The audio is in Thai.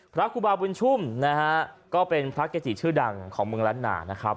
พระครูบาบุญชุ่มนะฮะก็เป็นพระเกจิชื่อดังของเมืองล้านนานะครับ